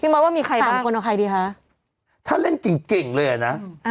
พี่มอร์ว่ามีใครบ้างถ้าเล่นเก่งเลยอ่ะนะอ่า